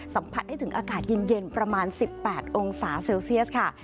สัมผัสได้ถึงอากาศเย็นประมาณ๑๘องศาเซลเซียสค่ะ